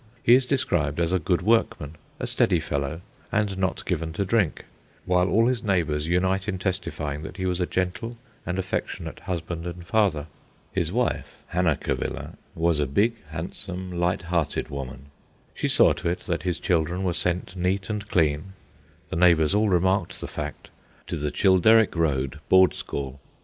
He is described as a good workman, a steady fellow, and not given to drink, while all his neighbours unite in testifying that he was a gentle and affectionate husband and father. His wife, Hannah Cavilla, was a big, handsome, light hearted woman. She saw to it that his children were sent neat and clean (the neighbours all remarked the fact) to the Childeric Road Board School.